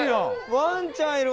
ワンちゃんいる。